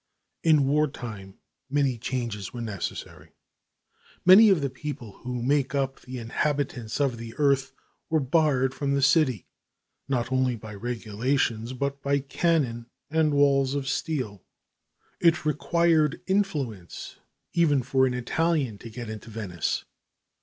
In war time many changes were necessary. Many of the people who make up the inhabitants of the earth were barred from the city, not only by regulations, but by cannon and walls of steel. It required influence even for an Italian to get into Venice.